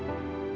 gue yang menang